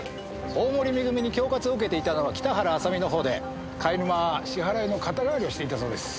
大森恵に恐喝を受けていたのは北原麻美の方で貝沼は支払いの肩代わりをしていたそうです。